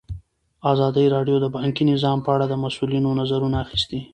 ازادي راډیو د بانکي نظام په اړه د مسؤلینو نظرونه اخیستي.